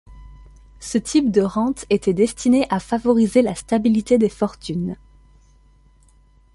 Ce type de rente était destiné à favoriser la stabilité des fortunes.